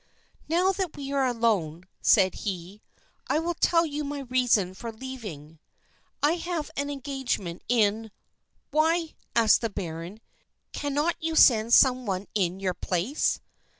"Now that we are alone," said he, "I will tell you my reason for leaving. I have an engagement in " "Why," asked the baron, "cannot you send some one in your place?"